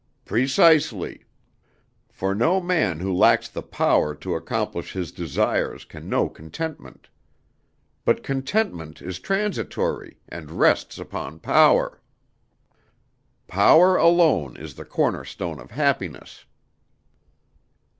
"Precisely; for no man who lacks the power to accomplish his desires can know contentment. But contentment is transitory, and rests upon power. Power alone is the cornerstone of happiness."